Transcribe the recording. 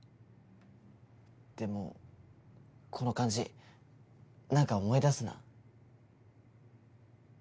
でもこの感じ何か思い出すな。